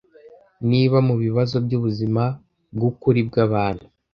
Niba, mubibazo byubuzima bwukuri bwabantu--